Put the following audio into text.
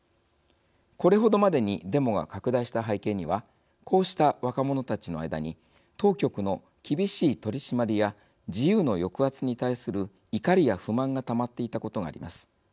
これほどまでにデモが拡大した背景にはこうした若者たちの間に当局の厳しい取締りや自由の抑圧に対する怒りや不満がたまっていたことがあります。